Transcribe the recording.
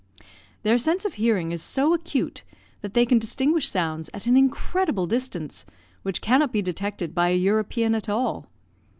Their sense of hearing is so acute that they can distinguish sounds at an incredible distance, which cannot be detected by a European at all.